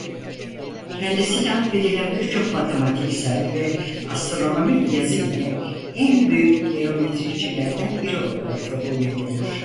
Kendisine atfedilen birçok matematiksel ve astronomik yazı ile en büyük geometricilerden biri olarak kabul edilir.